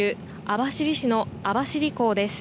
網走市の網走港です。